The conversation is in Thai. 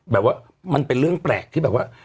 มันเป็นเรื่องแปลกที่แบบว่า